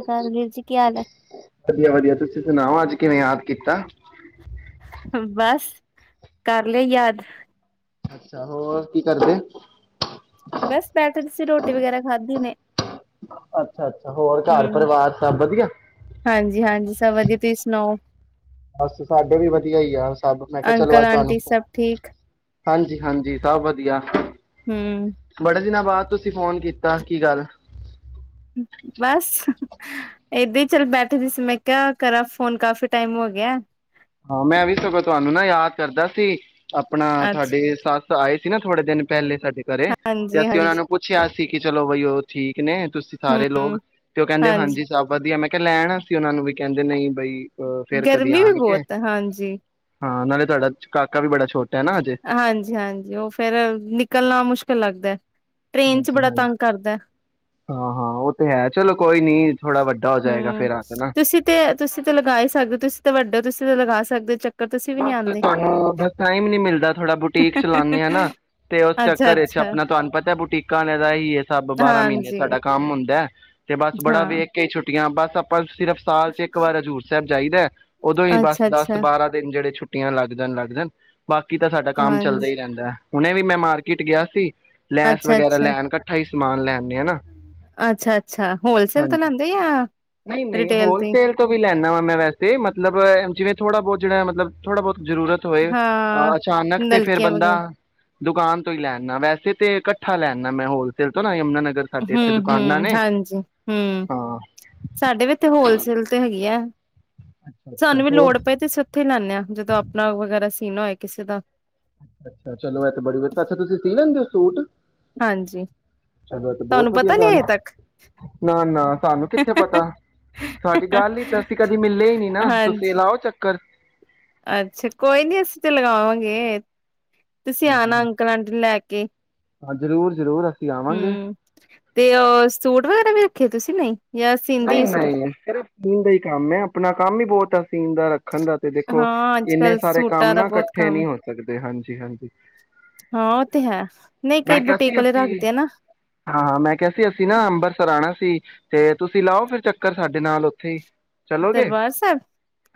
ਅਕਾਲ ਵੀਰ ਜੀ ਕੀ ਹਾਲ ਹੈ? ਵਧੀਆ ਵਧੀਆ ਤੁਸੀਂ ਸੁਣਾਓ ਅੱਜ ਕਿਵੇਂ ਯਾਦ ਕੀਤਾ। ਬਸ ਕਰ ਲਿਆ ਯਾਦ। ਅੱਛਾ ਹੋਰ ਕੀ ਕਰਦੇ। ਬਸ ਬੈਠੇ ਤੁਸੀਂ ਰੋਟੀ ਵਗੈਰਾ ਖਾਧੀ ਨੇ ਅੱਛਾ ਅੱਛਾ ਹੋਰ ਘਰ ਹੂੰ ਪਰਿਵਾਰ ਸਭ ਵਧੀਆ। ਹਾਂਜੀ ਹਾਂਜੀ ਸਭ ਵਧੀਆ ਤੁਸੀਂ ਸੁਣਾਓ ਬਸ ਸਾਡੇ ਵੀ ਵਧੀਆ ਹੀ ਆ ਸਭ ਮੈਂ ਕਿਹਾ ਚਲੋ ਅੰਕਲ ਅੱਜ ਤੁਹਾਨੂੰ ਆਂਟੀ ਸਭ ਠੀਕ? ਹਾਂਜੀ ਹਾਂਜੀ ਸਭ ਵਧੀਆ। ਹੂੰ ਬੜੇ ਦਿਨਾਂ ਬਾਅਦ ਤੁਸੀਂ ਫੋਨ ਕੀਤਾ ਕੀ ਗੱਲ ਬਸ ਏਦਾਂ ਹੀ ਚੱਲ ਬੈਠੇ ਜ ਸੀ ਮੈਂ ਕਿਹਾ ਆ ਕਰਾਂ ਫੋਨ ਕਾਫੀ ਟਾਈਮ ਹੋ ਗਿਆ। ਹਾਂ ਮੈਂ ਵੀ ਸਗੋਂ ਤੁਹਾਨੂੰ ਨਾ ਯਾਦ ਕਰਦਾ ਸੀ। ਆਪਣਾ ਅੱਛਾ, ਤੁਹਾਡੇ ਸਾ ਆਏ ਸੀ ਨਾ ਥੋੜੇ ਦਿਨ ਪਹਿਲੇ ਸਾਡੇ ਘਰੇ ਤੇ ਹਾਂਜੀ ਅਸੀਂ ਉਹਨਾਂ ਹਾਂਜੀ ਨੂੰ ਪੁੱਛਿਆ ਠੀਕ ਹੈ, ਚਲੋ ਬਾਈ ਉਹ ਠੀਕ। ਕਹਿੰਦੇ ਤੁਸੀਂ ਸਾਰੇ ਲੋਕ ਹੂੰ ਤੇ ਉਹ ਕਹਿੰਦੇ ਹਾਂਜੀ, ਸਭ ਵਧੀਆ, ਮੈਂ ਲੈਣਾ ਸੀ ਉਹਨਾ ਨੂੰ ਵੀ, ਕਹਿੰਦੇ ਨਹੀਂ। ਬਈ ਅਹ ਫੇਰ ਕਦੀ ਆਉਣਗੇ। ਜੀ। ਹਾਂ ਨਾਲੇ ਤੁਹਾਡਾ ਕਾਕਾ ਵੀ ਬੜਾ ਛੋਟਾ ਹੈ ਨਾ ਹਜੇ ਹਾਂਜੀ ਹਾਂਜੀ ਉਹ ਫੇਰ ਨਿਕਲਣਾ ਮੁਸ਼ਕਿਲ ਲੱਗਦਾ। ਟ੍ਰੇਨ ਚ ਹਾਂਜੀ ਬੜਾ ਹਾਂਜੀ ਤੰਗ ਕਰਦਾ। ਹਾਂ ਹਾਂ ਉਹ ਤੇ ਹੈ ਚਲੋ। ਕੋਈ ਨੀ। ਥੋੜਾ ਵੱਡਾ ਹੋ ਜਾਏਗਾ ਹੂੰ ਫੇਰ ਆ ਕੇ ਨਾ ਤੁਸੀਂ ਤੇ, ਤੁਸੀਂ ਤੇ ਲਗਾ ਹੀ ਸਕਦੇ, ਤੁਸੀਂ ਤਾਂ ਵੱਡੇ ਤੁਸੀਂ ਲਗਾ ਸਕਦੇ ਚੱਕਰ ਤੁਸੀਂ ਵੀ ਨੀ ਬਸ ਆਂਦੇ। ਤੁਹਾਨੂੰ ਭੀ ਟਾਈਮ ਨੀ ਮਿਲਦਾ, ਥੋੜਾ ਬੁਟੀਕ ਚਲਾਉਾਨੇ ਆ ਨਾ ਤੇ ਉਸ ਘਰੇ ਚ ਅੱਛਾ-ਅੱਛਾ, ਆਪਣਾ ਤੁਹਾਨੂੰ ਪਤਾ, ਬੁਟੀਕਾਂ ਵਾਲੇ ਦਾ ਹੀ ਇਹ ਸਭ ਬਾਰਾਂ ਮਹੀਨੇ ਹਾਂਜੀ ਸਾਡਾ ਕੰਮ ਹੁੰਦਾ ਤੇ ਬਸ ਬੜਾ ਹਾਂ, ਵੇਖ ਕੇ ਛੁੱਟੀਆਂ ਬਸ। ਸਪਸ਼ੱਟ। ਸਿਰਫ ਸਾਲ ਚ ਇੱਕ ਵਾਰ ਹਜ਼ੂਰ ਸਾਹਿਬ। ਜਾਈਦਾ। ਉਦੋਂ ਹੀ ਬਸ ਦਸ ਅੱਛਾ-ਅੱਛਾ, ਬਾਰਾਂ। ਜਿਹੜੇ ਛੁੱਟੀਆਂ ਲੱਗ ਜਾਣ ਲੱਗ ਜਾਣ। ਬਾਕੀ ਤਾਂ ਸਾਡਾ ਕੰਮ ਚੱਲਦਾ ਹਾਂਜੀ, ਹੀ ਰਹਿੰਦਾ ਹੈ। ਹੁਣੇ ਵੀ ਮੈਂ ਮਾਰਕੀਟ ਗਿਆ ਸੀ। ਲੈਸ ਵਗੈਰਾ ਅੱਛਾ-ਅੱਛਾ, ਲੈਣ ਇਕੱਠਾ ਹੀ ਸਮਾਨ ਲੈਣ। ਨਹੀਂ ਆ ਨਾ, ਅੱਛਾ-ਅੱਛਾ, ਹਾਂ ਹੋਲਸੇਲ ਤੋਂ ਲੈਂਦੇ ਜਾਂ ਨਹੀਂ ਨਹੀਂ ਰਿਟੇਲ ਤੇ ਹੋਲਸੇਲ ਤੋਂ ਵੀ ਲੈਣਾ ਵਾ ਮੈਂ ਵੈਸੇ, ਮਤਲਬ ਜਿਵੇਂ ਥੋੜਾ ਬਹੁਤ। ਜਿਹੜਾ ਐ ਮਤਲਬ। ਥੋੜ੍ਹਾ ਬਹੁਤ ਜ਼ਰੂਰਤ ਹੋਏ, ਹਾਂ, ਅਹ ਅਚਾਨਕ ਤੇ ਫੇਿਰ ਨਲਕੀਆਂ ਬੰਦਾ ਵਗੈਰਾ ਦੁਕਾਨ ਤੋਂ ਹੀ ਲੈਆਨਾ, ਵੈਸੇ ਤੇ ਇਕੱਠਾ ਲੈ ਆਨਾ ਮੈਂ ਹੋਲਸੇਲ ਤੋਂ ਨਾ। ਯਮੁਨਾ ਨਗਰ ਸਾਡੇ ਇੱਥੇ ਹਮ ਦੁਕਾਨਾਂ ਹਮ ਨੇ ਹਾਂਜੀ ਹਮ ਹਾਂ ਸਾਡੇ ਵੀ ਇਥੇ ਹੋਲਸੇਲ ਤੇ ਹੈਗੀ ਆ। ਅੱਛਾ ਅੱਛਾ ਸਾਨੂੰ ਵੀ ਹੋਰ ਲੋੜ ਪਏ ਤੇ ਅਸੀਂ ਓਥੋਂ ਹੀ ਲੈਣੇ ਹਾਂ, ਜਦੋਂ ਆਪਣਾ ਵਗੈਰਾ ਪਿੰਨਾ ਹੈ [unintelligible] ਕਿਸੇ ਦਾ। ਅੱਛ ਅੱਛਾ ਚਲੋ ਇਹ ਤਾਂ ਬੜੀ ਵਧੀਆ [unintelligible] ਤੁਸੀਂ ਪੀ ਲੈਂਦੇ ਹੋ। ਸੂਟ। ਹਾਂਜੀ, ਚਲੋ ਐ ਤੇ ਬਹੁਤ ਤੁਹਾਨੂੰ ਵਧੀਆ ਪਤਾ ਨੀ ਗੱਲ, ਹਜੇ ਨਾ ਨਾ ਸਾਨੂੰ ਕਿੱਥੇ ਪਤਾ, ਤੱਕ ਸਾਡੀ ਗੱਲ ਹੀ ਤਾਂ ਅਸੀਂ ਕਦੇ ਮਿਲਲੇ ਹੀ ਨੀ ਨਾ, ਤੁਸੀਂ ਹਾਂਜੀ, ਲਾਓ ਚੱਕਰ। ਅੱਛਾ ਕੋਈ ਨੀ ਅਸੀਂ ਤੇ ਲਗਾਵਾਂਗੇ। ਤੁਸੀਂ ਹਾਂਜੀ ਆਣਾ ਹਾਂ ਅੰਕਲ ਆਂਟੀ ਨੂੰ ਲੈ ਕੇ, ਹਾਂ ਜ਼ਰੂਰ ਜ਼ਰੂਰ ਅਸੀਂ ਆਵਾਂਗੇ ਹਮ ਤੇ ਓ ਸੂਟ ਵਗੈਰਾ ਵੀ ਰੱਖੇ ਤੁਸੀਂ, ਨਹੀਂ। ਜਾਂ ਸੀਂਦੇ ਨਹੀਂ ਈ ਸਿਰਫ ਨਹੀਂ ਸਿਰਫ ਸੀਣ ਦਾ ਹੀ ਕੰਮ ਹੈ ਆਪਣਾ ਕੰਮ ਹੀ ਬਹੁਤ ਆ ਸੀਨ ਦਾ ਰੱਖਣ ਦਾ ਤੇ ਦੇਖੋ ਹਾਂ ਇੰਨੇ ਅੱਜ-ਕੱਲ ਸਾਰੇ ਕੰਮ ਸੂਟਾਂ ਦਾ ਨਾ ਬਹੁਤ ਇਕੱਠੇ ਕੰਮ ਨਹੀਂੀ ਹੋ ਸਕਦੇ ਹਾਂ ਹਾਂਜੀ [unintelligible] ਹਾਂ ਉਹ ਤੇ ਹੈ ਨਹੀਂ ਮੈਂ ਕਈ ਕਿਹਾ ਬੁਟੀਕ ਸੀ ਵਾਲੇ ਅਸੀਂ ਰੱਖਦੇ ਆ ਨਾ। ਹਾਂ ਮੈਂ ਕਿਹਾ ਸੀ ਅਸੀਂ ਨਾ ਅੰਬਰਸਰ ਆਣਾ ਸੀ ਤੇ ਤੁਸੀਂ ਲਾਓ ਫਿਰ ਚੱਕਰ ਸਾਡੇ ਨਾਲ ਉੱਥੇ ਹੀ ਚਲੋਗੇ ਦਰਬਾਰ ਸਾਹਿਬ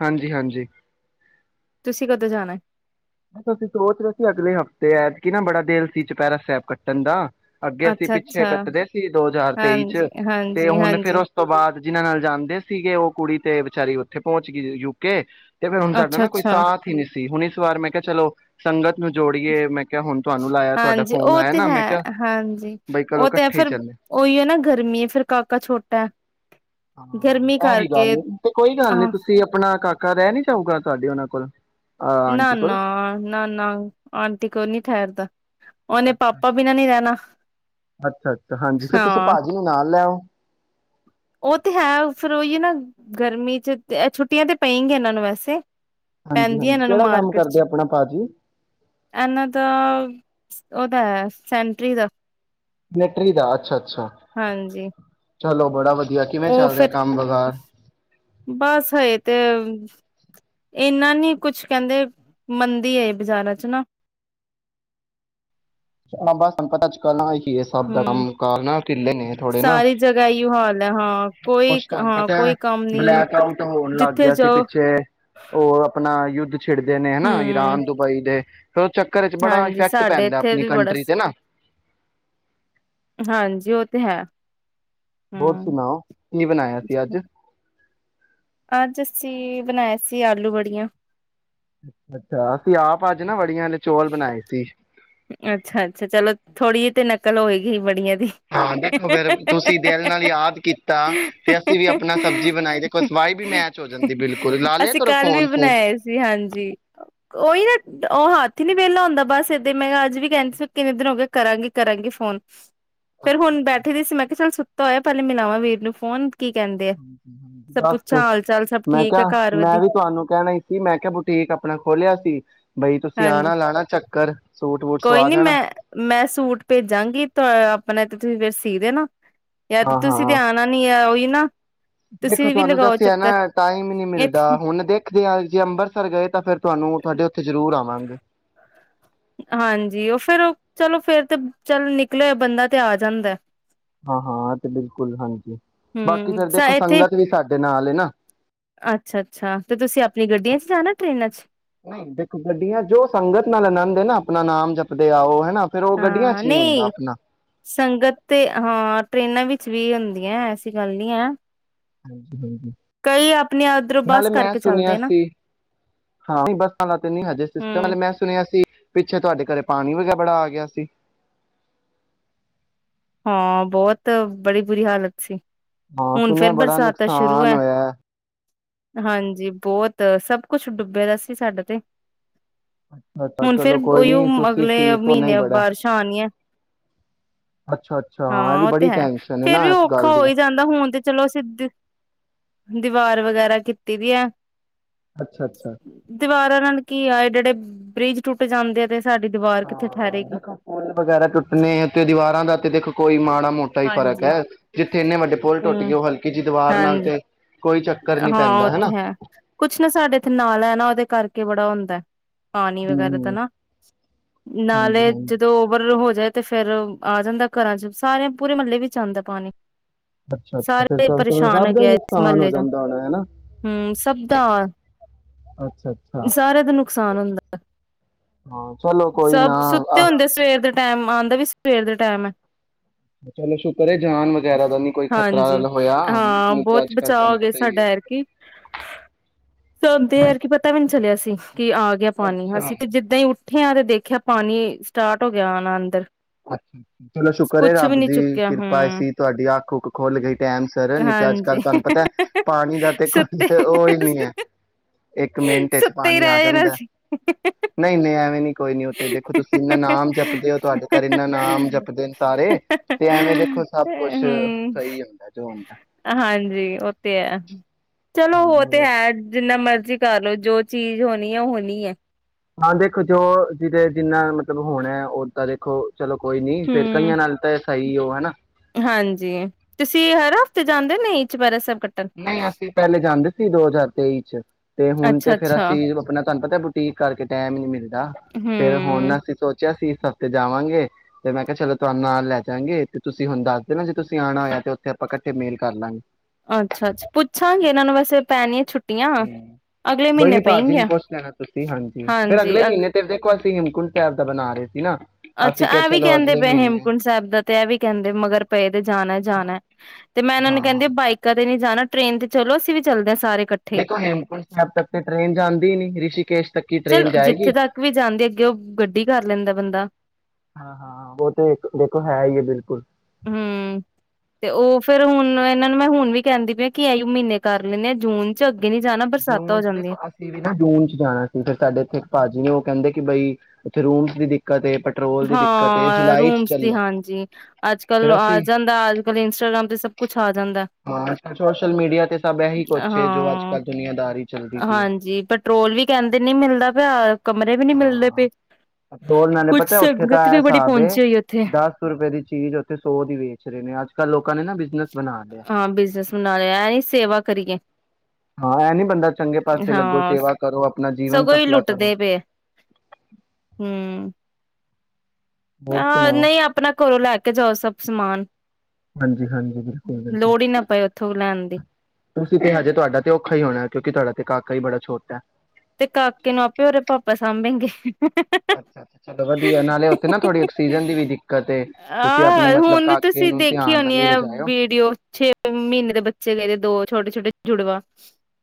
ਹਾਂਜੀ ਹਾਂਜੀ ਤੁਸੀਂ ਕਦੋਂ ਜਾਣਾ ਅਸੀਂ ਸੋਚ ਰਹੇ ਸੀ ਅਗਲੇ ਹਫ਼ਤੇ ਐਤਕਿ ਨਾ ਬੜਾ ਦਿਲ ਸੀ ਚੂਪਹਿਰਾ ਸਾਹਿਬ ਕੱਟਣ ਦਾ ਅੱਗੇ ਅਸੀਂ ਪਿੱਛੇ ਅੱਛਾ-ਅੱਛਾ ਕੱਟਦੇ ਸੀ ਦੋ ਹਜ਼ਾਰ ਤੇਈ ਚ ਤੇ ਹੁਣ ਫਿਰ ਹਾਂਜੀ-ਹਾਂਜੀ-ਹਾਂਜੀ। ਅੱਛਾ-ਅੱਛਾ ਹਾਂਜੀ ਹਾਂਜੀ, ਉਸ ਤੋਂ ਬਾਅਦ ਜਿਹਨਾਂ ਨਾਲ ਜਾਂਦੇ ਸੀ ਗੇ ਉਹ ਕੁੜੀ ਤੇ ਵਿਚਾਰੀ ਉੱਥੇ ਪਹੁੰਚ ਗਈ ਯੂਕੇ ਤੇ ਫਿਰ ਹੁਣ ਸਾਡਾ ਅੱਛਾ ਨਾ ਕੋਈ ਅੱਛਾ, ਸਾਥ ਹੀ ਨਹੀਂ ਸੀ ਹੁਣ ਇਸ ਵਾਰ ਮੈਂ ਕਿਹਾ ਚਲੋ ਸੰਗਤ ਨੂੰ ਜੋੜੀਏ ਮੈਂ ਕਿਹਾ ਹੁਣ ਤੁਹਾਨੂੰ ਲਾਇਆ ਤੁਹਾਡਾ ਹਾਂਜੀ ਫੋਨ ਉਹ ਆਇਆ ਤੇ ਨਾ ਮੈਂ ਹੈ ਕਿਹਾ ਹਾਂਜੀ। ਬਈ ਕਲੋ ਉਹ ਤੇ ਇਕੱਠੇ ਫਿਰ ਚੱਲਦੇ ਉਹੀ ਹੈ ਨਾ ਗਰਮੀ ਫਿਰ ਕਾਕਾ ਛੋਟਾ ਐ। ਗਰਮੀ ਹਾਂ ਇਹ ਵੀ ਕਰਕੇ ਗੱਲ ਤੇ ਕੋਈ ਗੱਲ ਹਾਂ ਨੀ ਤੁਸੀਂ ਆਪਣਾ [unintelligible] ਕਾਕਾ ਰਹਿ ਨੀ ਜਾਊਗਾ ਤੁਹਾਡੇ ਉਹਨਾਂ ਕੋਲ ਨਾ ਆਂਟੀ ਨਾ ਕੋਲ ਨਾ ਨਾ ਆਂਟੀ ਕੋ ਨੀ ਠਹਿਰਦਾ ਉਹਨੇ ਅੱਛਾ ਪਾਪਾ ਬਿਨਾਂ ਨੀ ਰਹਿਣਾ ਅੱਛਾ ਅੱਛਾ ਹਾਂਜੀ ਫਿਰ ਤੁਸੀਂ ਹਾਂ ਭਾਜੀ ਨੂੰ ਨਾਲ ਲੈਓ ਉਹ ਤੇ ਹੈ ਫਿਰ ਉਹੀ ਨਾ ਗਰਮੀ ਚ ਛੁੱਟੀਆਂ ਤੇ ਪੈਣ ਗਿਆ ਇਹਨਾਂ ਨੂੰ ਵੈਸੇ ਪੈਂਦੀਆਂ ਹਾਂਜੀ-ਹਾਂਜੀ ਇਹਨਾਂ ਨੂੰ ਕਿਹੜਾ ਕੰਮ ਮਾਰਕੀਟ ਕਰਦੇ ਚ ਆਪਣਾ ਭਾਜੀ ਇਹਨਾਂ ਦਾ ਓਨਾ ਦਾ ਸੈਂਟਰੀ ਦਾ ਸੈਂਟਰੀ ਦਾ ਅੱਛਾ ਅੱਛਾ ਹਾਂਜੀ ਚਲੋ ਬੜਾ ਵਧੀਆ ਕਿਵੇਂ ਉਹ ਚੱਲ ਰਿਹਾ ਫਿਰ ਕੰਮ ਵਗਾਰ ਬਸ ਹਜੇ ਤੇ ਇਨਾ ਨੀ ਕੁਛ ਕਹਿੰਦੇ ਮੰਦੀ ਏ ਬਜ਼ਾਰਾਂ ਚ ਨਾ ਾਂ ਬਸਾਨੂੰ ਪਤਾ ਅੱ ਕੱਲ [unintelligible] ਇਹ ਸਬ ਹੂੰ ਕੰਮ ਕਾਰ ਨਾ ਢਿੱਲੇ ਨੇਥੋੜੇ ਨਾ ਸਾਰੀ ਜਗ੍ਹਾ ਇਹੀਓ ਹਾਲ ਹੈ ਹਾਂ ਕੋਈ ਕੁਛ ਤੁਹਾਨੂੰ ਹਾਂ ਪਤਾ ਕੋਈ ਕੰਮ ਨੀ ਬਲੈਕ ਆਊਟ ਹੋਣ ਲੱਗ ਜਿੱਥੇ ਗਿਆ ਸੀ ਜਾਓ ਪਿੱਛੇ ਉਹ ਆਪਣਾ ਯੁਧ ਛਿੜਦੇ ਨੇ ਹਨਾ ਹੂੰ ਈਰਾਨ ਦੁਬਈ ਦੇ ਫਿਰ ਉਹ ਚੱਕਰ ਚ ਬੜਾ ਹਾਂਜੀ ਇਫੈਕਟ ਸਾਡੇ ਪੈਂਦਾ ਇੱਥੇ ਬੜਾ ਕੰਟਰੀ ਤੇ ਨਾ ਹਾਂਜੀ ਉਹ ਤੇ ਹੈ ਹੋਰ ਹਮ ਸੁਣਾਓ ਕੀ ਬਣਾਇਆ ਸੀ ਅੱਜ ਅੱਜ ਅਸੀਂ ਬਣਾਏ ਸੀ ਆਲੂ ਵੜੀਆਂ ਅੱਛਾ ਅਸੀਂ ਆਪ ਅੱਜ ਨਾ ਤੀਆਂ ਨੇ ਚੌਲ ਬਣਾਏ ਸੀ ਅੱਛਾ ਅੱਛਾ ਚਲੋ ਥੋੜ੍ਹੀ ਜਿਹੀ ਤੇ ਨਕਲ ਹੋਏਗੀ ਵੜੀਆਂ ਦੀ ਹਾਂ ਦੇਖੋ ਫਿਰ ਤੁਸੀਂ ਦਿਲ ਨਾਲ ਯਾਦ ਕੀਤਾ ਤੇ ਅਸੀਂ ਵੀ ਆਪਣਾ ਸਬਜ਼ੀ ਬਣਾਈ ਦੇਖੋ ਸਵਾਈ ਵੀ ਮੈਚ ਹੋ ਜਾਂਦੀ ਬਿਲਕੁਲ ਲਾ ਲਿਆ ਅਸੀਂ ਕਰੋ ਕੱਲ ਵੀ ਫੋਨ ਫੋਨ ਬਣਾਏ ਸੀ ਹਾਂਜੀ ਉਹੀ ਨਾ ਉਹ ਹੱਥ ਹੀ ਨੀ ਵਿਹਲਾ ਹੁੰਦਾ ਬਸ ਤੇ ਮੈਂ ਕਿਹਾ ਅੱਜ ਵੀ ਕਹਿੰ ਕਿੰਨੇ ਦਿਨ ਹੋ ਕੇ ਕਰਾਂਗੀ ਕਰਾਂਗੀ ਫੋਨ ਫੇਰ ਹੁਣ ਬੈਠੇ ਦੇ ਸੀ ਮੈਂ ਕਿਹਾ ਚੱਲ ਸੁੱ ਤੋਇਆ ਪਹਿਲੇ ਮਿਲਾਵਾਂ ਵੀਰ ਨੂੰ ਫੋਨ ਕੀ ਕਹਿੰਦੇ ਆ ਹ ਹਾਂ ਸਭ ਪੁੱਛਾਂ ਬਸ ਹਾਲ ਚਾਲ ਸਭ ਮੈਂ ਠੀਕ ਕਿਹਾ ਆ ਘਰ ਮੈਂ ਵਧੀ ਵੀ ਤੁਹਾਨੂੰ ਕਹਿਣਾ ਹੀ ਸੀ ਮੈਂ ਕਿਹਾ ਬੁਟੀਕ ਆਪਣਾ ਖੋਲਿਆ ਸੀ ਬਈ ਤੁਸੀਂ ਹਾਂਜੀ ਆਣਾ ਲਾਣਾ ਚੱਕਰ ਸੂਟ ਵੂਟ ਕੋਈ ਸਵਾ ਨੀ ਜਾਣਾ ਮੈਂ ਮੈਂ ਸੂਟ ਭੇਜਾਂਗੀ ਆਪਣਾ ਤੁਸੀਂ ਫੇਰ ਸੀਖਦੇ ਨਾ ਯਦ ਹਾਂ ਤੁਸੀਂ ਤੇ ਹਾਂ ਆਉਣਾ ਨੀ ਆ ਉਹੀ ਨਾ ਦੇਖੋ ਤੁਸੀਂ ਵੀ ਤੁਹਾਨੂੰ ਲਗਾਓ ਦੱਸਿਆ ਨਾ ਚੱਕਰ ਟਾਈਮ ਹੀ ਨਹੀਂੀ ਮਿਲਦਾ ਇੱਥੇ ਹੁਣ ਦੇਖਦੇ ਹਾਂ ਜੇ ਅੰਮ੍ਰਿਤਸਰ ਗਏ ਤਾਂ ਫਿਰ ਤੁਹਾਨੂੰ ਤੁਹਾਡੇ ਉੱਥੇ ਜ਼ਰੂਰ ਆਵਾਂਗੇ ਹਾਂਜੀ ਉਹ ਫਿਰ ਉਹ ਚਲੋ ਫੇਰ ਤੇ ਚੱਲ ਨਿਕਲ ਬੰਦਾ ਤੇ ਆ ਜਾਂਦਾ ਹਾਂ ਹਾਂ ਤੇ ਬਿਲਕੁਲ ਹਾਂਜੀ ਬਾਕੀ ਹੂੰ ਫਿਰ ਦੇਖੋ ਇੱਥੇ ਸੰਗਤ ਵੀ ਸਾਡੇ ਨਾਲ ਹੈ ਨਾ। ਅੱਛਾ ਅੱਛਾ ਤੇ ਤੁਸੀਂ ਆਪਣੀ ਗੱਡੀਆਂ ਚ ਜਾਣਾ ਟ੍ਰੇਨ ਚ ਨਹੀਂ ਦੇਖੋ ਗੱਡੀਆਂ ਜੋ ਸੰਗਤ ਨਾਲ ਆਨੰਦ ਹੈ ਨਾ ਆਪਣਾ ਨਾਮ ਜਪਦੇ ਆਓ ਹਨਾ। ਫੇਰ ਉਹ ਗੱਡੀਆਂ ਚ ਨਹੀਂ ਆਦਾ ਆਪਣਾ। ਸੰਗਤ ਤੇ ਹਾਂ ਟ੍ਰੇਨਾਂ ਵਿੱਚ ਵੀ ਹੁੰਦੀਆਂ ਐਸੀ ਗੱਲ ਨੀ ਹੈ। ਹਾਂਜੀ ਕਈ ਆਪਣੇ ਉੱਧਰੋਂ ਬੱਸ ਨਾਲੇ ਮੈਂ ਕਰਕੇ ਸੁਣਿਆ ਚੱਲਦੇ ਨਾ ਸੀ ਹਾਂ ਬੱਸਾਂ ਦਾ ਤੇ ਨਹੀਂ ਹਜੇ ਸਿਸਟਮ ਨਾਲੇ ਹੂੰ ਮੈਂ ਸੁਣਿਆ ਸੀ। ਪਿੱਛੇ ਤੁਹਾਡੇ ਘਰੇ ਪਾਣੀ ਵੀ ਬੜਾ ਆ ਗਿਆ ਸੀ। ਹਾਂ ਬਹੁਤ ਬੜੀ ਬੁਰੀ ਹਾਲਤ ਸੀ। ਹਾਂ ਹੁਣ ਸੁਣਿਆ ਫੇਰ ਬੜਾ ਬਰਸਾਤਾਂ ਸ਼ੁਰੂ ਨੁਕਸਾਨ ਹੈ ਹੋਇਆ ਏ। ਹਾਂਜੀ ਬਹੁਤ ਸਭ ਕੁਛ ਡੁੱਬੇ ਦਾ ਸੀ ਸਾਡੇ ਤੇ। ਅੱਛਾ ਹੁਣ ਫੇਰ ਚਲੋ ਕੋਈ ਉਹੀ ਓ ਨਹੀਂ ਤੁਸੀਂ ਅਗਲੇ ਠੀਕ ਹੋ ਨਹੀਂ ਮਹੀਨੇ ਬੜਾ ਬਾਰਿਸ਼ ਆਨਿਆ ਹੈ ਅੱਛਾ ਅੱਛਾ ਇਹ ਹਾਂ ਵੀ ਉਹ ਤੇ ਬੜੀ ਹੈ ਟੈਨਸ਼ਨ ਹੈ ਫੇਰ ਨਾ ਵੀ ਇਸ ਔਖਾ ਗੱਲ ਹੋ ਦੀ ਹੀ ਜਾਂਦਾ ਹੁਣ ਤੇ ਚਲੋ ਸਿੱਧੀ ਦੀਵਾਰ ਵਗੈਰਾ ਕੀਤੀ ਦੀ ਹੈ। ਅੱਛਾ ਅੱਛਾ ਦੀਵਾਰਾਂ ਕੀ ਐਏਡੇ ਐਏਡੇ ਬ੍ਰਿਜ ਟੁੱਟ ਜਾਂਦੇ ਨੇ। ਹਾਂ ਦੇਖੋ ਫੁੱਲ ਵਗੈਰਾ ਟੁੱਟਣੇ ਉੱਥੇ ਦੀਵਾਰਾਂ ਦਾ ਦੇਖੋ ਕੋਈ ਮਾੜਾ ਮੋਟਾ ਹੀ ਫ਼ਰਕ ਹਾਂਜੀ ਹੈ ਜਿੱਥੇ ਇੰਨੇ ਵੱਡੇ ਪੁਲ ਟੁੱਟ ਗਏ ਹਮ ਉਹ ਹਲਕੀ ਜੀ ਦੀਵਾਰ ਨਾਲ ਹਾਂਜੀ ਤੇ ਕੋਈ ਚੱਕਰ ਨੀ ਹਾਂ ਓ ਪੈਂਦਾ ਤੇ ਹਨਾ ਹੈ ਕੁਛ ਨਾ ਸਾਡੇ ਇੱਥੇ ਨਾਲਾ ਹੈ ਨਾ ਉਹਦੇ ਕਰਕੇ ਕੇ ਬੜਾ ਹੁੰਦਾ ਐ। ਪਾਣੀ ਵਗੈਰਾ ਤਾਂ ਹੂੰ ਨਾ ਹਾਂਜੀ ਨਾਲੇ ਹਾਂਜੀ ਜਦੋਂ ਓਵਰ ਹੋ ਤੇ ਫੇਰ ਆ ਜਾਂਦਾ ਘਰਾਂ ਚ ਸਾਰਿਆਂ ਪੂਰੇ ਮਹੱਲੇ ਵਿੱਚ ਆਂਦਾ ਪਾਣੀ। ਅੱਛਾ ਅੱਛਾ ਫਿਰ ਸਾਰੇ ਸ ਪਰੇਸ਼ਾਨ ਸਭ ਦਾ ਹੀ ਹੈਗੇ ਆ ਇਸ ਨੁਕਸਾਨ ਹੋ ਮਹੱਲੇ ਚ ਜਾਂਦਾ। ਹੋਣਾ ਹਨਾ ਹੂੰ ਸਭ ਦਾ ਅੱਛਾ ਅੱਛਾ ਸਾਰਿਆਂ ਦਾ ਨੁਕਸਾਨ ਹੁੰਦਾ। ਹਾਂ ਚਲੋ ਕੋਈ ਨਾ ਸਭ ਸੁੱਤੇ ਆ ਹੁੰਦੇ ਸਵੇਰ ਦੇ ਟਾਈਮ ਆਦਾ ਵੀ ਸਵੇਰ ਦੇ ਟਾਈਮ ਹੈ। ਚਲੋ ਸ਼ੁਕਰ ਜਾਨ ਵਗੈਰਾ ਦਾ ਨੀ ਕੋਈ ਖਤਰਾ ਹਾਂਜੀ ਹੋਇਆ ਹਾਂ ਨਹੀਂ ਤੇ ਬਹੁਤ ਅੱਜ ਕੱਲ ਬਚਾਅ ਤੁਹਾਨੂੰ ਹੋ ਗਏ ਪਤਾ ਹੀ ਸਾਡਾ ਹੈ ਐਤਕੀ ਕੀ ਪਤਾ ਵੀ ਨਹੀਂ ਚਲਿਆ ਸੀ [inaudible] ਕਿ ਆ ਗਿਆ ਪਾਣੀ ਅੱਛਾ ਅਸੀਂ ਤੇ ਜਿੱਦਾਂ ਓਠੇ ਤੇ ਦੇਖਿਆ ਪਾਣੀ ਸਟਾਰਟ ਹੋ ਗਿਆ ਆਣਾ ਅੰਦਰ ਅੱਛਾ ਚਲੋ ਸ਼ੁਕਰ ਏ ਕੁਛ ਵੀ ਰੱਬ ਨੀ ਦੀ ਚੁੱਕਿਆ ਹੂੰ ਕਿਰਪਾ ਅਸੀ ਤੁਹਾਡੀ ਅੱਖ ਉੱਖ ਖੋਲ ਗਈ ਟਾਈਮ ਸਰ ਨੀ ਤਾਂ ਅੱਜ ਕੱਲ੍ਹ ਹਾਂਜੀ ਤੁਹਾਨੂੰ ਪਤਾ ਹੈ ਪਾਣੀ ਪਾਣੀ ਦਾ ਤੇ ਕੋਈ ਸੁੱਤੇ ਉਹਹੀ ਨੀ ਹੈ ਇੱਕ ਮਿੰਟ ਚ ਸੁੱਤੇ ਹੀ ਪਾਣੀ ਆ ਰਹਿ ਜਾਣਾ ਜਾਂਦਾ ਸੀ ਨਹੀਂ ਨਹੀਂ ਐਵੇਂ ਨੀ ਕੋਈ ਨੀ ਉਹ ਤੇ ਦੇਖੋ ਤੁਸੀਂ ਇੰਨਾ ਨਾਮ ਜਪਦੇ ਹੋ ਤੁਹਾਡੇ। ਕਰਨਾ ਨਾਮ ਜਪਦੇ ਨੇ ਸਾਰੇ ਤੇ ਐਵੇਂ ਦੇਖੋ ਸਭ ਕੁਛ ਹੂੰ, ਸਹੀ ਹੁੰਦਾ ਜੋ ਹੁੰਦਾ ਹਾਂਜੀ ਉਹ ਤੇ ਹੈ। ਚਲੋ ਹਾਂਜੀ ਉਹ ਤੇ ਹੋਰ ਹੈ ਜਿੰਨਾ ਮਰਜ਼ੀ ਕਰ ਲੋ ਜੋ ਚੀਜ਼ ਹੋਣੀ ਹੈ ਉਹ ਹੋਣੀ ਹੈ ਹਾਂ ਦੇਖੋ ਜੋ ਜਿਹਦੇ ਜਿੰਨਾ ਮਤਲਬ ਹੋਣਾ ਉਓਦਾਂ ਦੇਖੋ ਚਲੋ ਕੋਈ ਨੀ ਫੇਰ ਹੂੰ। ਕਈਆਂ ਨਾਲ ਤਾਂ ਸਹੀ ਉਹ ਹਨਾ ਹਾਂਜੀ ਤੁਸੀਂ ਹਰ ਹਫ਼ਤੇ ਜਾਂਦੇ ਨੇ ਇ ਚ ਬਾਰ ਸਭ ਨਹੀਂ ਅਸੀਂ ਪਹਿਲੇ ਜਾਂਦੇ ਸੀ ਦੋ ਹਜ਼ਾਰ ਤੇਈ ਚ ਤੇ ਹੁਣ ਤੇ ਫੇਰ ਅੱਛਾ-ਅੱਛਾ, ਅਸੀਂ ਆਪਣਾ ਧਨ ਤਾਂ ਬੁਟੀਕ ਕਰਕੇ ਟਮ ਹੀ ਨਹੀਂ ਮਿਲ ਫੇਿਰ ਹੂੰ। ਹੁਣ ਅਸੀਂ ਸੋਚਿਆ ਸੀ ਸਤੇ ਜਾਵਾਂਗੇ ਤੇ ਮੈਂ ਕਿਹਾ ਚਲੋ ਤੁਹਾਨੂੰ ਨਾਲ ਲੈ ਜਾਵਾਂਗੇ ਤੇ ਤੁਸੀਂ ਹੁਣ ਦੱਸ ਦੇ ਨਾ ਜੇ ਤੁਸੀਂ ਆਉਣਾ ਹੋਇਆ ਤੇ ਉੱਥੇ ਆਪਾਂ ਇਕੱਠੇ ਮੇਲ ਕਰ ਲਾਂਗੇ ਅੱਛਾ ਅੱਛਾ ਪੁੱਛਾਂਗੇ ਇਹਨਾਂ ਨੂੰ ਵਸੇ ਪੈ ਨ ਛੁ ਹਮ ਬਈ ਨੀ ਭਾਜੀ ਨੂੰ ਪੁੱਛ ਲੈਣਾ ਤੁਸੀਂ ਹਾਂਜੀ ਫੇਰ ਅਗਲੇ ਮਹੀਨੇ ਤੇ ਦੇਖ ਹਿਮਕੁੰਟ ਪੈਰ ਦਾ ਬਣਾ ਰਹੇ ਸੀ ਨਾ ਅੱਛਾ ਅਸੀਂ ਕਿਹਾ ਇਹ ਵੀ ਚਲੋ ਕਹਿੰਦੇ ਅਗਲੇ ਪਏ ਮਹੀਨੇ ਹੇਮਕੁੰਟ ਸਾਹਿਬ ਦਾ ਤੇ ਇਹ ਵੀ ਕਹਿੰਦੇ ਮਗਰ ਪਏਦੇ ਜਾਣਾ ਜਾਣਾ ਤੇ ਮੈਂ ਇਹਨਾਂ ਨੂੰ ਹਾਂ ਕਹਿੰਦੀ ਹਾਂ ਬਾਈਕਾਂ ਤੇ ਨੀ ਜਾਣਾ ਟ੍ਰੇਨ ਤੇ ਚਲੋ ਅਸੀਂ ਵੀ ਚੱਲਦੇ ਹ ਦੇਖੋ ਹਿਮਕੁੰਟ ਸਾਹਿਬ ਤ ਟ੍ਰੇਨ ਜਾਂਦੀ ਹੀ ਨੀ ਰਿਸ਼ਿਕਸ਼ ਤੱਕੀ ਟ੍ਰੇਨ ਚਲੋ ਜਾਏਗੀ ਜਿੱਥੇ ਤੱਕ ਵੀ ਜਾਂਦੀ ਅੱਗੇ ਉਹ ਗੱਡੀ ਕਰ ਲੈਂਦਾ ਬੰਦਾ ਹਾਂ ਹਾਂ ਉਹ ਤੇ ਦੇਖੋ ਹੈ ਹੀ ਹੈ ਬਿਲਕੁਲ ਹਮ ਤੇ ਉਹ ਫੇਿਰ ਹੁਣ ਇਹਨਾਂ ਨੂੰ ਮੈਂ ਹੁਣ ਵੀ ਕਹਿੰਦੀ ਪਈ ਕਿ ਇ ਮਹੀਨੇ ਕਰ ਲੈਂਦੇ ਆਾਂ ਜੂਨ ਚ ਅੱਗੇ ਨੀ ਜਾਣਾ ਬਰਸਾਤਾਂ ਜੂਨ ਹੋ ਚ ਜਾਂਦੀਆਂ। ਦੇਖੋ ਅਸੀਂ ਵੀ ਨਾ ਜੂਨ ਚ ਜਾਣਾ ਸੀ ਫਿਰ ਸਾਡੇ ਇੱਥੇ ਭਾਜੀ ਨੇ ਉਹ ਕਹਿੰਦੇ ਕਿ ਬਈ ਉੱਥੇ ਰੂਮਸ ਦੀ ਦੀ ਏ ਪੈਟਰੋਲ ਦਿੱਕਤ ਏ ਹਾਂ ਜੁਲਾਈ ਚ ਰੂਮਸ ਦੀ ਚੱਲੋ ਹਾਂਜੀ ਅੱਜ ਕਲ ਫਿਰ ਆ ਅਸੀਂ ਜਾਂਦਾ ਅਜ ਕਲ ਇੰਸਟਾਗ੍ਰਾਮ ਤੇ ਸਭ ਕੁਛ ਆ ਜਾਂ ਹਾਂ ਸੋਸ਼ਲ ਮੀਡੀਆ ਤੇ ਸਭ ਇਹੀ ਕੁਛ ਏ ਜੋ ਅੱਜ ਹਾਂ ਕੱਲ੍ਹ ਦੁਨੀਆਂਦਾਰੀ ਚੱਲਦੀ ਪਈ ਏ ਹਾਂਜੀ ਪੈਟਰੋਲ ਵੀ ਕਹਿੰਦੇ ਨੀ ਮਿਲਦਾ ਪਿਆ। ਕਮਰੇ ਵੀ ਨਹੀਂ ਮਿਲਦੇ ਹਾਂ ਪਏ। ਪੈਟਰੋਲ ਨਾਲੇ ਕੁਛ ਪਤਾ ਉੱਥੇ ਸੰਗਤ ਤਾਂ ਇਹ ਵੀ ਬੜੀ ਹਿਸਾਬ ਏ ਪਹੁੰਚੀ ਹੋਈ ਉੱਥੇ ਦਸ ਰੁਪਏ ਦੀ ਚੀਜ਼ ਉੱਥੇ ਸੌ ਦੀ ਵੇਚ ਰਹੇ ਨੇ ਅੱਜ ਕੱਲ੍ਹ ਲੋਕ ਲੋਕਾਂ ਨੇ ਨਾ ਬਿਜ਼ਨਸ ਹਾਂ ਬਿਜਨਸ ਬਣਾ ਲਿਆ ਐ ਨੀ ਸੇਵਾ ਕਰੀਏ। ਹਾਂ ਇਹ ਨੀ ਬੰਦਾ ਚੰਗੇ ਪਾਸੇ ਲੱਗੋ ਹਾਂ ਸੇਵਾ ਕਰੋ ਆਪਣਾ ਜੀਵਨ ਸਗੋਂ ਹੀ ਸਫਲਾ ਕਰੋ। ਲੁੱਟਦੇ ਪਏ ਹੋਰ ਹ ਸੁਣਾਓ ਨਹੀਂ ਆਪਣਾ ਘਰੋਂ ਲੈ ਕੇ ਜਾਓ ਸਭ ਸਮਾਨ। ਹਾਂਜੀ ਹਾਂਜੀ ਬਿਲਕੁਲ ਬਿਲਕੁਲ ਲੋੜ ਹੀ ਨਾ ਪਏ ਉੱਥੋਂ ਲੈਣ ਦੀ। ਤੁਸੀਂ ਤੇ ਹਜੇ ਤੁਹਾਡਾ ਤੇ ਔਖਾ ਹੀ ਹੋਣਾ ਕਿਉਂਕਿ ਤੁਹਾਡਾ ਤੇ ਕਾਕਾ ਹੀ ਬੜਾ ਛੋਟਾ। ਤੇ ਕਾਕੇ ਨੂੰ ਆਪੇ ਓਰੇ ਪਾਪਾ ਸਾਂਭੇਗੇ। ਅੱਛਾ ਅੱਛਾ ਚਲੋ ਵਧੀਆ ਨਾਲੇ ਉੱਥੇ ਨਾ ਥੋੜ੍ਹੀ ਆਕਸੀਜਨ ਦੀ ਵੀ ਦਿੱਕਤ ਏ ਤੁਸੀਂ ਆਪਣੇ ਆਹ ਮਤਲਬ ਹੁਣ ਕਾਕੇ ਤੁਸੀਂ ਨੂੰ ਦੇਖੀ ਧਿਆਨ ਹੋਣੀ ਨਾਲ ਹੀ ਆ ਲਿਜਾਇਓ। ਵੀਡੀਓ, ਛੇ ਮਹੀਨੇ ਦੇ ਬੱਚੇ ਲੈ ਗਏ ਦੋ। ਛੋਟ-ਛੋਟੇ ਜੁੜਵਾ।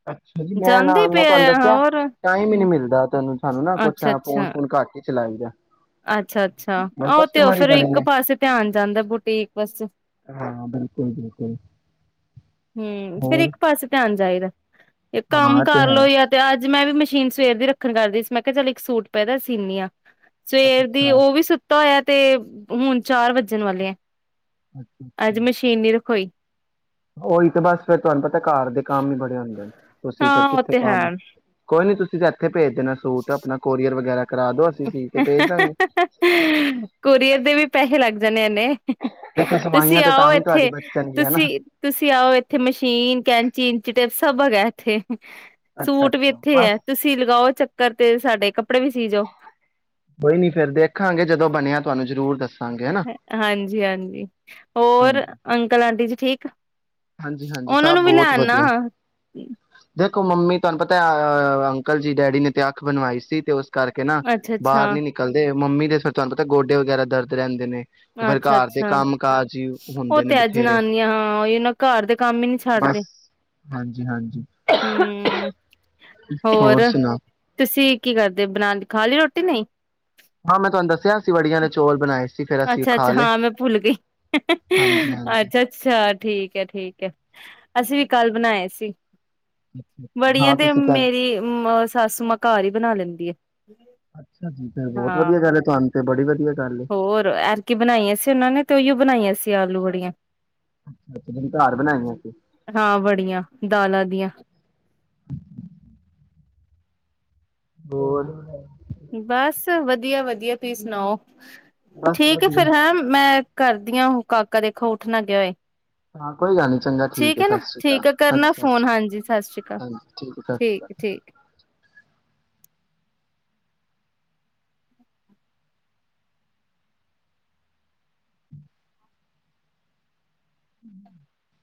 ਅੱਛਾ ਜੀ, ਮੈਂ ਨਾ, ਜਾਂਦੇ ਮੈਂ ਪਏ ਤੁਹਾਨੂੰ ਦੱਸਿਆ। ਹੋਰ ਟਾਈਮ ਹੀ ਨੀ ਮਿਲਦਾ। ਤੈਨੂੰ ਸਾਨੂੰ ਨਾ ਕੁਛ ਆਹ ਫੋਨ ਫੂਨ ਕਰਕੇ। ਚਲਾਈ ਦਾ ਅੱਛਾ-ਅੱਛਾ। ਬਸ ਉਹ ਤੇ ਉਹ ਕਸਟਮਰ ਹੀ ਫੇਰ ਬੜੇ ਇੱਕ ਨੇ ਪਾਸੇ ਧਿਆਨ ਜਾਂਦਾ। ਬੁਟੀਕ ਵਸ ਹਾਂ ਬਿਲਕੁਲ ਬਿਲਕੁਲ ਹਮ, ਫੇਰ ਹੋਰ ਇੱਕ ਪਾਸੇ ਧਿਆਨ ਜਾਏਗਾ। ਇਹ ਕੰਮ ਹਾਂ ਤੇ ਕਰ ਹੈ ਲਓ ਯਾ ਤੇ ਅੱਜ ਮੈਂ ਵੀ ਮਸ ਮਸ਼ੀਨ ਸਵੇਰ ਦੀ ਰੱਖਣ ਕਰਦੀ ਸੀ, ਮੈਂ ਕਿਹਾ ਚਲ ਇੱਕ ਸੂਟ ਪਿਆ ਏਦਾ ਸੀਨੀ ਆਂ। ਅੱਛਾ ਅੱਛਾ ਸਵੇਰ ਦੀ, ਉਹ ਅੱਛਾ ਵੀ ਸੁੱਤਾ ਹੋਇਆ। ਤੇ ਹੁਣ ਚਾਰ ਵੱਜਣ ਵਾਲੇ ਐ। ਅੱਜ ਅੱਛਾ ਮਸ਼ੀਨ ਨੀ ਰਖ ਹੋਈ। ਉਹੀ ਤੇ ਬਸ ਫੇਰ ਤੁਹਾਨੂੰ ਪਤਾ ਘਰ ਦੇ ਕੰਮ ਹੀ ਬੜੇ ਹੁੰਦੇ ਨੇ। ਤੁਸੀਂ ਫਿਰ ਹਾਂ ਉਹ ਕਿੱਥੇ ਤੇ ਹੈ ਕੰਮ, ਕੋਈ ਨੀ ਤੁਸੀਂ [unintelligible] ਭੇਜ ਦੇਣਾ ਸੂਟ, ਆਪਣਾ ਕੋਰੀਅਰ ਵਗੈਰਾ ਕਰਾ ਦੋ। ਅਸੀਂ ਸਿੱਲ ਕੇ ਭੇਜ ਦਾਂਗੇ। ਕੋਰੀਅਰ ਦੇ ਵੀ ਦੇਖੋ [unintelligible] ਤੁਸੀਂ ਸਵਾਈਆਂ ਤੇ ਆਓ ਤਾਂ ਵੀ ਤੁਹਾਡੀ ਇੱਥੇ ਬਚਣਗੀਆਂ ਨਾ ਤੁਸੀਂ ਤੁਸੀਂ ਆਓ ਇੱਥੇ ਮਸ਼ੀਨ ਕੈਂਚੀ ਇੰਚੀ ਟੇਪ ਸਭ ਹੈਗਾ ਏਥੇ। ਅੱਛਾ ਸੂਟ ਵੀ ਅੱਛਾ ਇੱਥੇ ਬਸ ਹੈ, ਤੁਸੀਂ ਲਗਾਓ ਚੱਕਰ ਘਰ ਤੇ ਸਾਡੇ ਕੱਪੜੇ ਵੀ ਸੀ ਜਾਓ ਕੋਈ ਨੀ ਫੇਰ ਦੇਖਾਂਗੇ, ਜਦੋਂ ਬਣਿਆ ਤੁਹਾਨੂੰ ਜ਼ਰੂਰ ਦੱਸ ਹਾਂਜੀ - ਹਾਂਜੀ। ਹੋਰ ਹਾਂਜੀ ਅੰਕਲਾਂ ਬੀਜੀ ਠੀਕ ਆ? ਹਾਂਜੀ ਹਾਂਜੀ ਉਹਨਾਂ ਸਭ ਨੂੰ ਵੀ ਬਹੁਤ ਲੈਣ ਨਾ। ਵਧੀਆ ਦੇਖੋ ਮੰਮੀ ਤੁਹਾਨੂੰ ਪਤਾ ਅਹ ਅੰਕਲ ਜੀ ਡੈਡੀ ਨੇ ਤੇ ਅੱਖ ਬਣਵਾਈ ਸੀ ਤੇ ਉਸ ਕਰਕੇ ਨਾ ਅੱਛਾ ਅੱਛਾ ਬਾਹਰ ਨੀ ਨਿਕਲਦੇ। ਮੰਮੀ ਦੇ ਫਿਰ ਤੁਹਾਨੂੰ ਪਤਾ ਗੋਡੇ ਵਗੈਰਾ ਦਰਦ ਰਹਿੰਦੇ ਨੇ। ਉਹ ਫਿਰ ਅੱਛਾ ਘਰ ਦੇ -ਅੱਛਾ, ਕੰਮ ਕਾਜ ਹੀ ਉਹ ਹੁੰਦੇ ਨੇ ਤੇ ਹੈ ਬਥੇਰੇ ਜਨਾਨੀਆਂ ਇਹਨਾਂ ਘਰ ਦੇ ਕੰਮ ਹੀ ਨਹੀਂ ਬਸ ਛੱਡਦੇ ਹਾਂਜੀ ਹਾਂਜੀ ਹੂੰ ਹੋਰ ਤੁਸੀਂ ਕੀ ਕਰਦੇ ਬਣਾ ਲੀ ਖਾ ਲੀ ਰੋਟੀ ਤਿਨੇ ਹਾਂ, ਮੈਂ ਤੁਹਾਨੂੰ ਦੱਸਿਆ ਸੀ ਬੜੀਆਂ ਨੇ ਚੌਲ ਬਣਾਏ ਸੀ। ਫੇਰ ਅਸੀਂ ਅੱਛਾ- ਖਾ ਅੱਛਾ, ਲਏ ਹਾਂ ਮੈਂ ਭੁੱਲ ਗਈ ਹਾਂਜੀ ਹਾਂਜੀ ਅੱਛਾ, ਅੱਛਾ ਠੀਕ ਹੈ ਠੀਕ ਹੈ ਅਸੀਂ ਵੀ ਕੱਲ ਬਣਾਏ ਸੀ। ਬੜੀਆਂ ਹਾਂ ਤੇ ਤੁਸੀਂ ਕਹਿ ਮੇਰੀ ਅ ਸੱਸੂ ਮਾਂ ਘਰ ਹੀ ਬਣਾ ਲੈਂਦੀ ਆ ਅੱਛਾ ਜੀ ਫੇਰ ਬਹੁਤ ਵਧੀਆ ਹਾਂ। ਗੱਲ ਹੈ ਤੁਹਾਨੂੰ ਤੇ ਬੜੀ ਵਧੀਆ ਗੱਲ ਏ ਹੋਰ ਐਤਕੀ ਬਣਾਈਆਂ ਸੀ ਉਹਨਾਂ ਨੇ ਤੇ ਉਹੀਓ ਬਣਾਈਆਂ ਸੀ। ਤੇ ਆਲੂ ਬੜੀਆਂ ਤੁਸੀਂ ਘਰ ਬਣਾਈਆਂ ਸੀ ਹਾਂ ਬੜੀਆਂ ਦਾਲਾਂ ਦੀਆਂ ਹੋਰ ਬਸ ਵਧੀਆ ਵਧੀਆ ਤੁਸੀਂ ਸੁਣਾਓ ਬਸ ਠੀਕ ਹੈ ਵਧੀਆ ਫਿਰ ਹੈਂ ਮੈਂ ਕਰਦੀਆਂ ਉਹ ਕਾਕਾ ਦੇਖੋ ਉੱਠ ਨਾ ਗਿਆ ਹੋਏ। ਹਾਂ ਕੋਈ ਗੱਲ ਨੀ ਚੰਗਾ ਠੀਕ ਹੈ, ਨਾ ਸਤਿ ਸ੍ਰੀ ਅਕਾਲ ਠੀਕ ਹੈ ਹਾਂਜੀ ਕਰਨਾ ਸਸ ਫੋਨ ਰੀ ਹਾਂਜੀ ਸਤਿ ਸ੍ਰੀ ਅਕਾਲ ਅਕ ਹਾਂਜੀ ਠੀਕ ਸਸਰੀ ਕਾਲ। [unintelligible]